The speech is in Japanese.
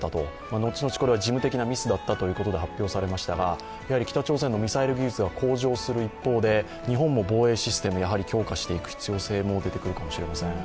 後々、これは事務的なミスだということで発表されましたがやはり北朝鮮のミサイル技術が向上する一方で日本も防衛システム、やはり強化していく必要性も出てくるかもしれません。